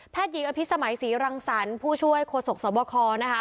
แพทยีอภิษฐ์สมัยศรีรังสรรค์ผู้ช่วยโคศกสวบคลนะคะ